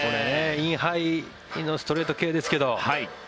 インハイのストレート系ですけど。